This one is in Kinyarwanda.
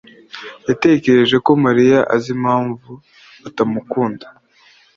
yatekereje ko Mariya azi impamvu atamukunda.